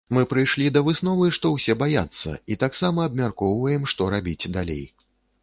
Мы прыйшлі да высновы, што ўсе баяцца і таксама абмяркоўваем, што рабіць далей.